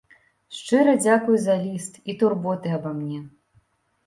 Шчыра дзякую за ліст і турботы аба мне.